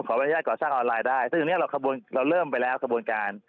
อนุญาตก่อสร้างออนไลน์ได้ซึ่งตรงนี้เราเริ่มไปแล้วขบวนการ